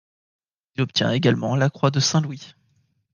Il obtient également la croix de Saint-Louis.